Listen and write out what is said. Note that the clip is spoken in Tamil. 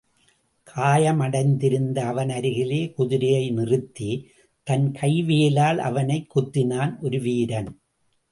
காயமடைந்திருந்த அவன் அருகிலே குதிரையை நிறுத்தித் தன் கைவேலால் அவனைக் குத்தினான், ஒருவீரன்.